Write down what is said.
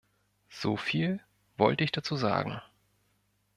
Soviel wollte ich dazu sagen.